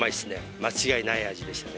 間違いない味でしたね。